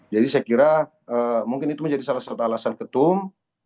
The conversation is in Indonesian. jadi saya kira mungkin itu menjadi salah satu alasan ketum